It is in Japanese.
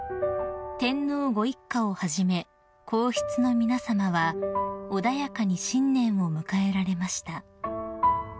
［天皇ご一家をはじめ皇室の皆さまは穏やかに新年を迎えられました］